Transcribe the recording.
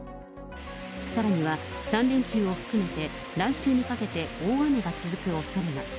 さらには３連休を含めて、来週にかけて大雨が続くおそれも。